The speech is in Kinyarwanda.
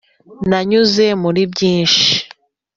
nanyuze muri byinshi.